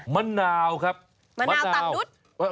มะนาวครับมะนาวต่างดุ๊ด